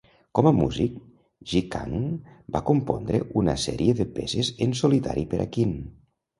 Com a músic, Ji Kang va compondre una sèrie de peces en solitari per a Qin.